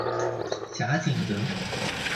贾景德。